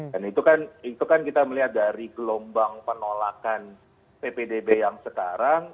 dan itu kan kita melihat dari gelombang penolakan ppdb yang sekarang